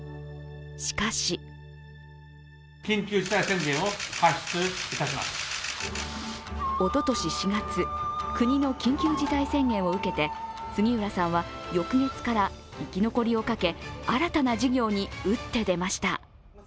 しかしおととし４月国の緊急事態宣言を受けて杉浦さんは翌月から生き残りをかけ、新たな事業に打って出ました。